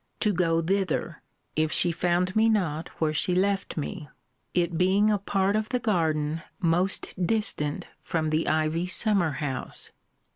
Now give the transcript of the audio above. ] to go thither, if she found me not where she left me; it being a part of the garden most distant from the ivy summer house.